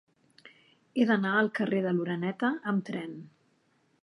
He d'anar al carrer de l'Oreneta amb tren.